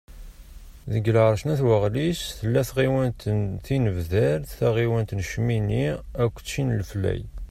Deg lεerc n At Waɣlis, tella tɣiwant n Tinebdar, taɣiwant n Cmini, akked tin n Leflay.